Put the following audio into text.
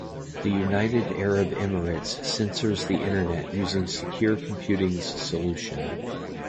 The United Arab Emirates censors the Internet using Secure Computing's solution.